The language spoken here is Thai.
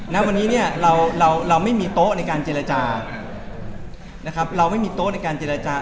ณวันนี้เนี่ยเราเราไม่มีโต๊ะในการเจรจานะครับเราไม่มีโต๊ะในการเจรจา